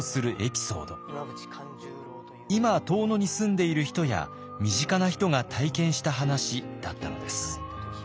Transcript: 今遠野に住んでいる人や身近な人が体験した話だったのです。